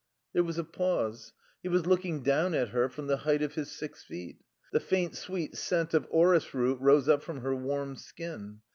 There was a pause. He was looking down at her from the height of his six feet. The faint, sweet scent of orris root rose up from her warm skin.